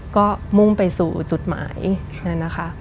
ก็มุ่งไปสู่จุดหมายนั่นนะคะ